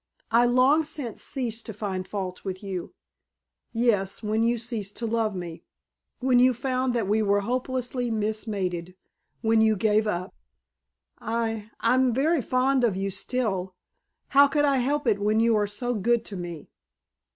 I long since ceased to find fault with you " "Yes, when you ceased to love me! When you found that we were hopelessly mismated. When you gave up." "I I'm very fond of you still. How could I help it when you are so good to me?"